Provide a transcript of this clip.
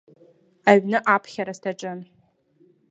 Аҩны аԥхьара саҿын.